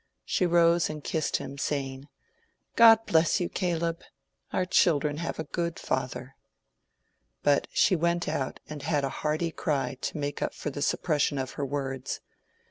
She rose and kissed him, saying, "God bless you, Caleb! Our children have a good father." But she went out and had a hearty cry to make up for the suppression of her words.